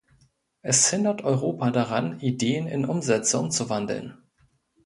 Es hindert Europa daran, Ideen in Umsätze umzuwandeln.